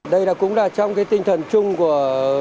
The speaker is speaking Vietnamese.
đây cũng là trong tinh thần chung của